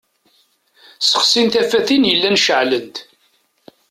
Sexsin tafatin yellan ceɛlent.